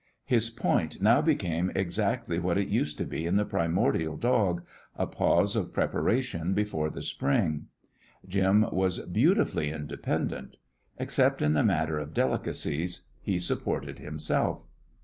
His point now became exactly what it used to be in the primordial dog a pause of preparation before the spring. Jim was beautifully independent. Except in the matter of delicacies, he supported himself.